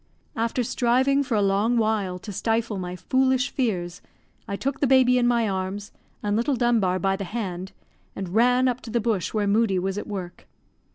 After striving for a long while to stifle my foolish fears, I took the baby in my arms, and little Dunbar by the hand, and ran up to the bush where Moodie was at work.